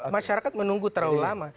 masyarakat menunggu terlalu lama